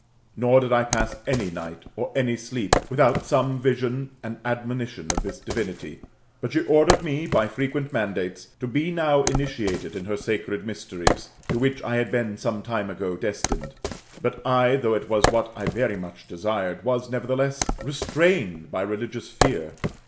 Nor did I pass any night, or aiiy sleep, without some vision and admonition of this divinity ; but she ordered me by frequent mandates to be now initiated in her sacred mysteries, to which I had been some time ago destined. But I, though it was what I very much desired, was, nevertheless, restrained by religious fear.